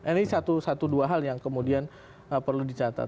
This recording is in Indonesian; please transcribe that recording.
ini satu dua hal yang kemudian perlu dicatat